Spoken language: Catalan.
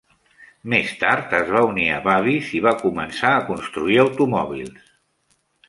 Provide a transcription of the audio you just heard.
Més tard, es va unir a Vabis i va començar a construir automòbils.